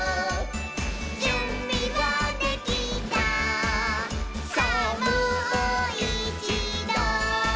「じゅんびはできたさぁもういちど」